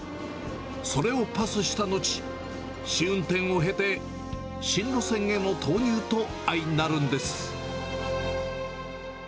それをパスした後、試運転を経て、新路線への投入とあいなるんです。